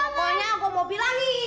pokoknya aku mau bilangin